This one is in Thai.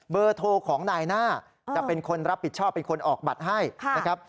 เบอร์โทรของนายหน้าจะเป็นคนรับผิดชอบเป็นคนออกบัตรให้นะครับ